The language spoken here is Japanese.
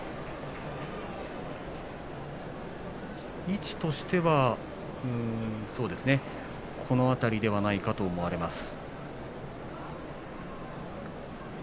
位置としてはそうですねこの辺りではないかと思われます。